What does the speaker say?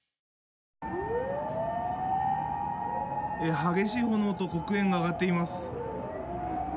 激しい炎と黒煙が上がっています。